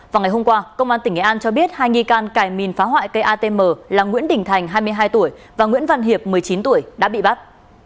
vào ngày hôm qua công an tỉnh nghệ an cho biết hai nghi can cài mìn phá hoại cây atm là nguyễn đình thành hai mươi hai tuổi và nguyễn văn hiệp một mươi chín tuổi đã bị bắt